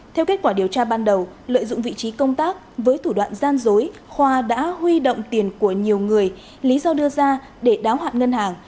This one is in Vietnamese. theo kết quả điều tra ban đầu lợi dụng vị trí công tác với thủ đoạn gian dối khoa đã huy động tiền của nhiều người lý do đưa ra để đáo hạn ngân hàng